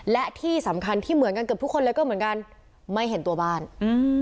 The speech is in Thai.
และที่สำคัญที่เหมือนกันเกือบทุกคนเลยก็เหมือนกันไม่เห็นตัวบ้านอืม